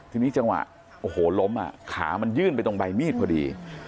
ทีนี้จังหวะโอ้โหล้มอ่ะขามันยื่นไปตรงใบมีดพอดี